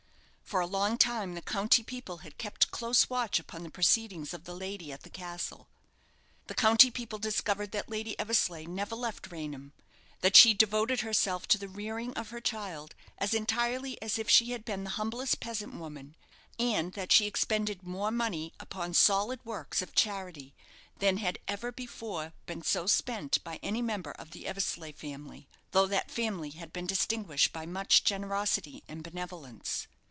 For a long time the county people had kept close watch upon the proceedings of the lady at the castle. The county people discovered that Lady Eversleigh never left Raynham; that she devoted herself to the rearing of her child as entirely as if she had been the humblest peasant woman; and that she expended more money upon solid works of charity than had ever before been so spent by any member of the Eversleigh family, though that family had been distinguished by much generosity and benevolence.